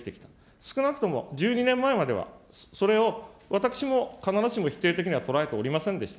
少なくとも１２年前までは、それを私も、必ずしも否定的には捉えておりませんでした。